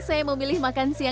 saya memilih makan siang di salon